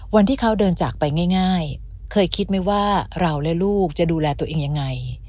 วันที่เขาเดินจากไปง่ายเคยคิดไหมว่าเราและลูกจะดูแลตัวเองยังไง